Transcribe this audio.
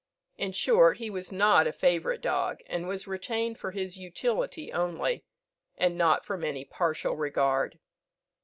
In short, he was not a favourite dog, and was retained for his utility only, and not from any partial regard.